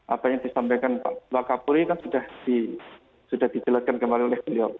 apa yang disampaikan pak wakapuri kan sudah dijelaskan kembali oleh beliau